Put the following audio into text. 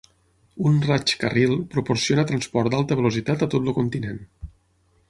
Un "raig-carril" proporciona transport d'alta velocitat a tot el continent.